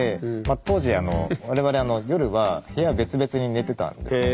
当時あの我々夜は部屋別々に寝てたんですね。